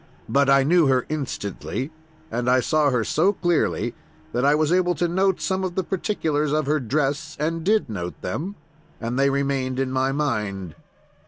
But I knew her instantly; and I saw her so clearly that I was able to note some of the particulars of her dress, and did note them, and they remained in my mind.